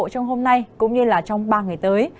trong hôm nay cũng như trong ba ngày tới